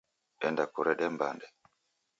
Enda kurede mbande